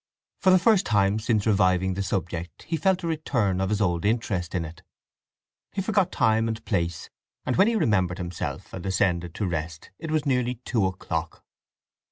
For the first time since reviving the subject he felt a return of his old interest in it. He forgot time and place, and when he remembered himself and ascended to rest it was nearly two o'clock.